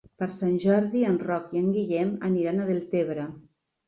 Per Sant Jordi en Roc i en Guillem aniran a Deltebre.